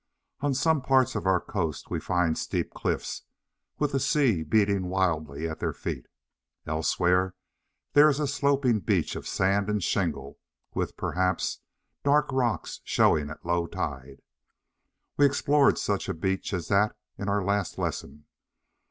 On some parts of our coast we find steep cliffs, with the sea beating wildly at their feet. Elsewhere there is a sloping beach of sand and shingle with, perhaps, dark rocks showing at low tide. We explored such a beach as that in our last lesson.